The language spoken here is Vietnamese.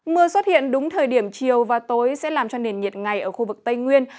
mưa xuất hiện đúng thời điểm chiều và tối sẽ làm cho nền nhiệt ngày ở khu vực tây nguyên